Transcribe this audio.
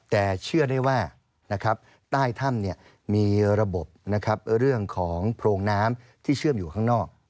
แต่เชื่อได้ว่าใต้ถ้ำมีระบบเรื่องของโพรงน้ำที่เชื่อมอยู่ข้างนอก